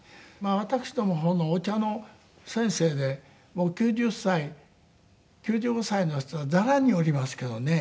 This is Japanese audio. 私どもの方のお茶の先生でもう９０歳９５歳の人はザラにおりますけどね